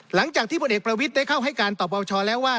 หลังจากที่พลเอกประวิทย์ได้เข้าให้การต่อปปชแล้วว่า